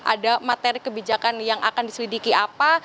ada materi kebijakan yang akan diselidiki apa